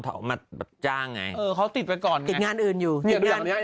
ออกมาจ้างไงเออเขาติดไปก่อนไงติดงานอื่นอยู่อย่าดูอย่างอันเนี้ย